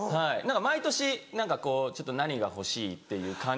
毎年何かこうちょっと何が欲しい？っていう感じで。